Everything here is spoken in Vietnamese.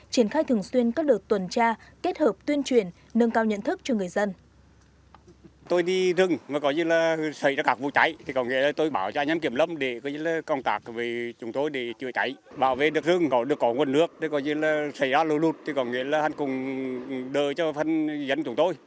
triển khai thường xuyên các đợt tuần tra kết hợp tuyên truyền nâng cao nhận thức cho người dân